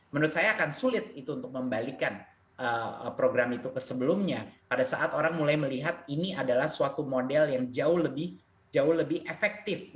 menurut saya akan sulit itu untuk membalikan program itu ke sebelumnya pada saat orang mulai melihat ini adalah suatu model yang jauh lebih efektif